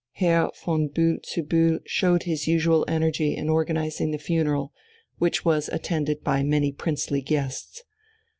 Herr von Bühl zu Bühl showed his usual energy in organizing the funeral, which was attended by many princely guests.